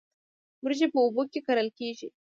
وریجې په اوبو کې کرل کیږي